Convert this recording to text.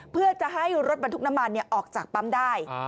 เพื่อจะให้รถบรรทุกน้ำมันออกจากปั๊มได้